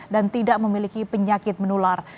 dan tidak memiliki penyakit menular